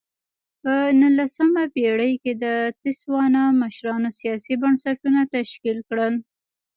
په نولسمه پېړۍ کې د تسوانا مشرانو سیاسي بنسټونه تشکیل کړل.